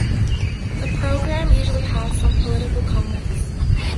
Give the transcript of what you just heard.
The program usually has some political comments.